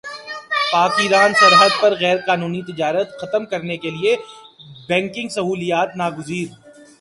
پاک ایران سرحد پر غیرقانونی تجارت ختم کرنے کیلئے بینکنگ سہولیات ناگزیر